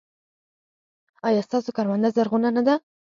ایا ستاسو کرونده زرغونه نه ده؟